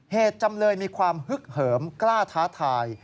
จำเลยมีความฮึกเหิมกล้าท้าทาย